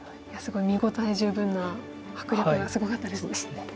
いやすごい見応え十分な迫力がすごかったですね。